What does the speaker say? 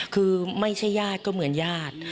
คือไม่ใช่ญาติก็เหมือนญาติ